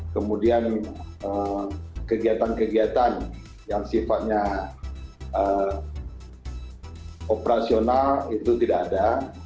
kemudian kegiatan kegiatan yang sifatnya operasional itu tidak ada